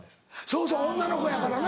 そうそう女の子やからな。